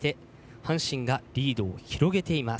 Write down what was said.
阪神がリードを広げています。